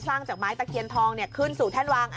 จากไม้ตะเคียนทองขึ้นสู่แท่นวาง